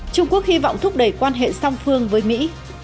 trung quốc hy vọng thúc đẩy quan hệ song phương với mỹ